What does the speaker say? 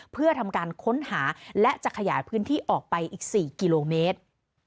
เพื่อทำการค้นหาและจะขยายพื้นที่ออกไปอีก๔กิโลเมตร